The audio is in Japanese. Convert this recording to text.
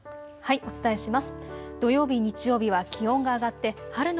お伝えします。